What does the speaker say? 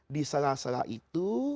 di salah salah itu